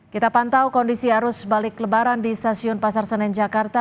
kita pantau kondisi arus balik lebaran di stasiun pasar senen jakarta